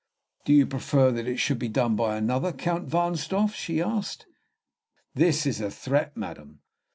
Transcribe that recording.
"Do you prefer that it should be done by another, Count Wahnsdorf?" asked she. "This is a threat, madam."